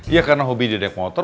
ya karena hobi dia naik motor